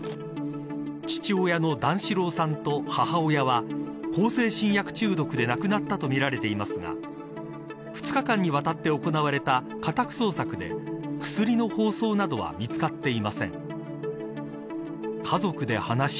父親の段四郎さんと、母親は向精神薬中毒で亡くなったとみられていますが２日間にわたって行われた家宅捜索で薬の包装などは見つかっていません。